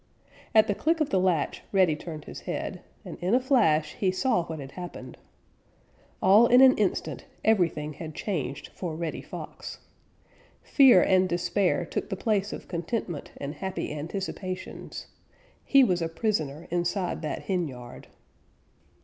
At the click of the latch Reddy turned his head, and in a flash he saw what had happened. All in an instant everything had changed for Reddy Fox. Fear and despair took the place of contentment and happy anticipations. He was a prisoner inside that henyard.